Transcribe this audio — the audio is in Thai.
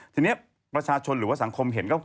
ทีนี้ประชาชนหรือว่าสังคมเห็นก็